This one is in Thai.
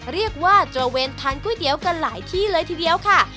เรียกว่าตระเวนทานก๋วยเตี๋ยวกันหลายที่เลยทีเดียวค่ะ